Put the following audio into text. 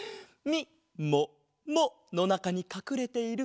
みもものなかにかくれてる？